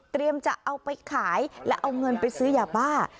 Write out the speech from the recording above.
เตรียมจะเอาไปขายและเอาเงินไปซื้ออย่าบ้า